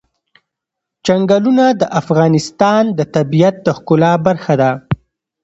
چنګلونه د افغانستان د طبیعت د ښکلا برخه ده.